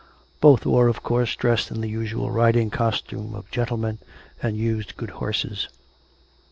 Both were, of course, dressed in the usual riding costume of gentlemen, and used good horses.